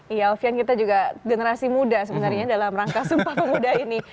iya alfian kita juga generasi muda sebenarnya dalam rangka sumpah muda ini